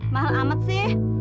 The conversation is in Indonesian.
mahal amat sih